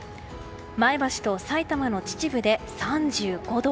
前橋と埼玉の秩父で３５度。